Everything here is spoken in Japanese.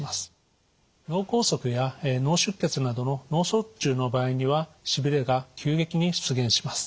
脳梗塞や脳出血などの脳卒中の場合にはしびれが急激に出現します。